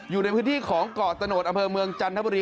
อยู่ในพื้นที่ของเกาะตะโนธอำเภอเมืองจันทบุรี